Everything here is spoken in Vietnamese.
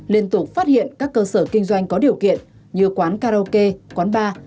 liên tục phát hiện các cơ sở kinh doanh có điều kiện như quán karaoke quán bar